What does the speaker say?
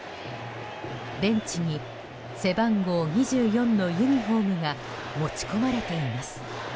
ベンチに背番号２４のユニホームが持ち込まれています。